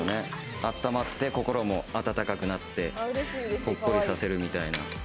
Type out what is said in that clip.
あったまって、心もあったかくなって、ほっこりさせるみたいな。